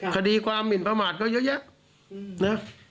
คดีความหมินประมาทก็เยอะแยะนะ